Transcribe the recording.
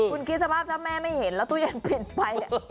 คุณคิดสภาพถ้าแม่ไม่เห็นแล้วตู้เย็นเปลี่ยนไป